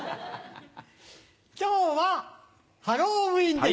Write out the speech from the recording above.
今日はハロウィーンです。